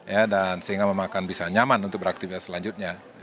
ya dan sehingga memakan bisa nyaman untuk beraktivitas selanjutnya